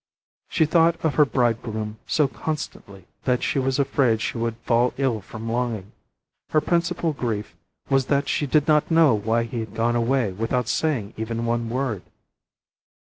She thought of her bridegroom so constantly that she was afraid she would fall ill from longing. Her principal grief was that she did not know why he had gone away without saying even one word.